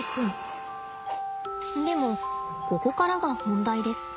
でもここからが本題です。